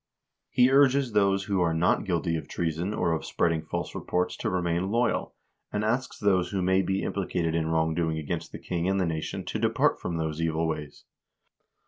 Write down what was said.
He urges those who are not guilty of treason or of spreading false reports to remain loyal, and asks those who may be implicated in wrong doing against the king and the nation to depart from those evil ways.